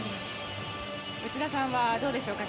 内田さんはどうでしょうか。